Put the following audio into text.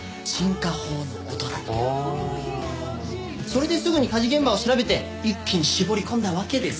それですぐに火事現場を調べて一気に絞り込んだわけです。